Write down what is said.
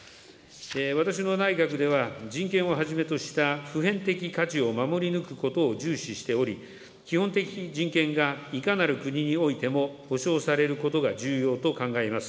私の内閣では、人権をはじめとした普遍的価値を守り抜くことを重視しており、基本的人権がいかなる国においても保障されることが重要と考えます。